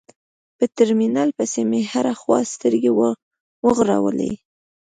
په ترمينل پسې مې هره خوا سترګې وغړولې.